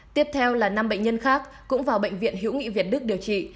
tiếp theo là năm bệnh nhân khác cũng vào bệnh viện hữu nghị việt đức điều trị